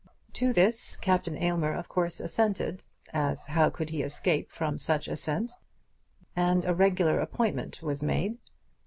To this Captain Aylmer, of course, assented, as how could he escape from such assent, and a regular appointment was made.